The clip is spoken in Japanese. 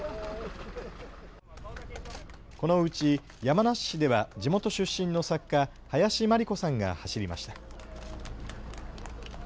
このうち山梨市では地元出身の作家、林真理子さんが走りました。